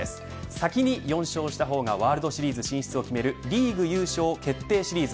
先に４勝した方がワールドシリーズ進出を決めるリーグ優勝決定シリーズ。